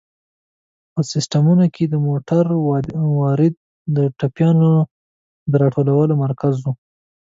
په سمسټمینټو کې مو موټر ودراوه، چې د ټپيانو د را ټولولو مرکز و.